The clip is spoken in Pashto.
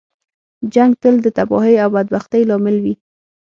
جنګ تل د تباهۍ او بدبختۍ لامل وي.